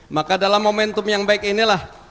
maka dalam momentum yang baik inilah